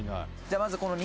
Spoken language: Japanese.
「じゃあまずこの」